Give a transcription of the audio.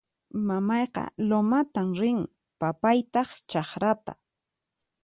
Mamayqa lumatan rin; papaytaq chakrata